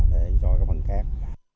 để cho các vật cát